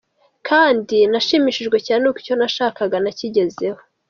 Kandi nashimishijwe cyane n’uko icyo nashakaga nakigezeho.